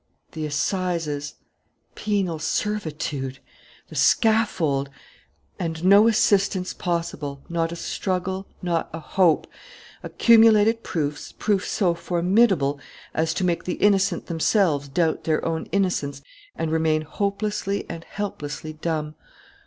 The assizes! Penal servitude! The scaffold! And no assistance possible, not a struggle, not a hope! Accumulated proofs, proofs so formidable as to make the innocent themselves doubt their own innocence and remain hopelessly and helplessly dumb.